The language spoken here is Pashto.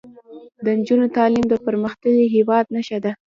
د نجونو تعلیم د پرمختللي هیواد نښه ده.